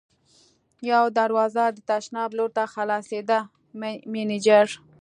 یوه دروازه د تشناب لور ته خلاصېده، مېنېجر.